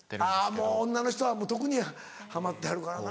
もう女の人は特にハマってはるからな。